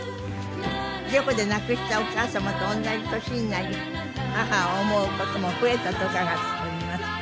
事故で亡くしたお母様と同じ年になり母を思う事も増えたと伺っております。